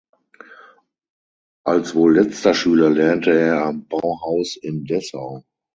Als wohl letzter Schüler lernte er am Bauhaus in Dessau.